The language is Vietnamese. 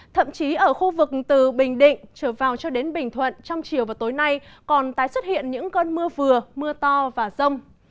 thậm chí ở khu vực từ bình định trở vào cho đến bình thuận trong chiều và tối nay còn tái xuất hiện những cơn mưa vừa mưa to và rông